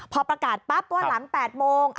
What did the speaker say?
พอประกาศปั๊บว่าหลัง๘โมง